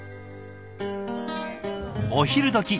お昼どき